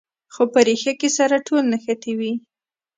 خو په ریښه کې سره ټول نښتي وي.